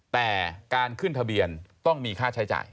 แต่การขึ้นทะเบียนต้องมีค่าใช้จ่าย